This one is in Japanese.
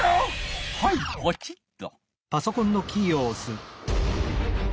はいポチッと。